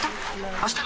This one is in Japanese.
あした？